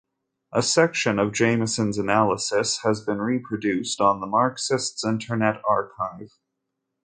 A section of Jameson's analysis has been reproduced on the Marxists Internet Archive.